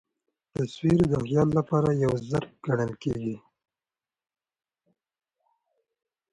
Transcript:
تصویر د خیال له پاره یو ظرف ګڼل کېږي.